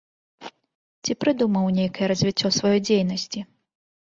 Ці прыдумаў нейкае развіццё сваёй дзейнасці?